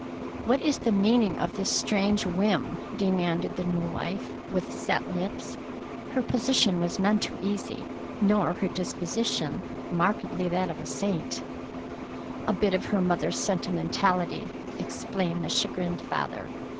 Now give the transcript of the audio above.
"What is the meaning of this strange whim?" demanded the new wife, with set lips. Her position was none too easy, nor her disposition markedly that of a saint. "A bit of her mother's sentimentality," explained the chagrined father.